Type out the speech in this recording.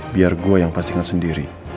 biar gue yang pastikan sendiri